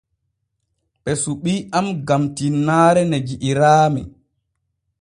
Ɓe suɓii am gam tinnaare ne ji'iraami.